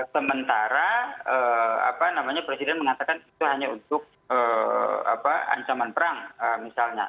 sementara presiden mengatakan itu hanya untuk ancaman perang misalnya